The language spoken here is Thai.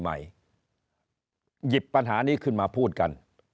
หยิบปัญหานี้ขึ้นมาพูดกัน